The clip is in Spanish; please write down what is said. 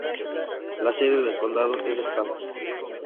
La sede del condado es Stanford.